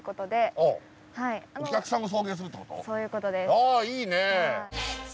ああいいね。